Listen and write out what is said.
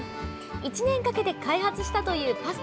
１年かけて開発したというパスタ